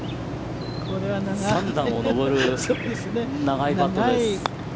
３段を上る長いパットです。